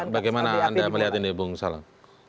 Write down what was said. bagaimana anda melihat ini bung salang